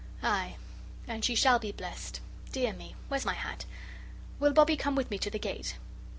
Ay, and she shall be blessed. Dear me, where's my hat? Will Bobbie come with me to the gate?"